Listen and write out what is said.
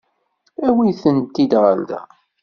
Awimt-tent-id ɣer da.